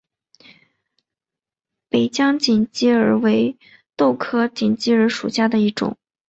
北疆锦鸡儿为豆科锦鸡儿属下的一个种。